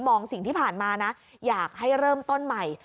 สิ่งที่ผ่านมานะอยากให้เริ่มต้นใหม่